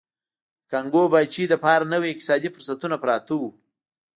د کانګو پاچاهۍ لپاره نوي اقتصادي فرصتونه پراته وو.